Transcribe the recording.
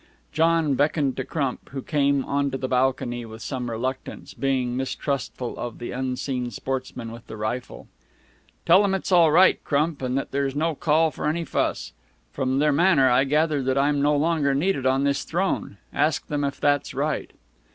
John beckoned to Crump, who came on to the balcony with some reluctance, being mistrustful of the unseen sportsman with the rifle. "Tell 'em it's all right, Crump, and that there's no call for any fuss. From their manner I gather that I am no longer needed on this throne. Ask them if that's right?"